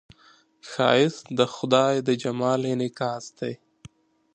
ښایست د خدای د جمال انعکاس دی